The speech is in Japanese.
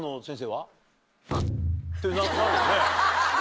ハッ！ってなるよね。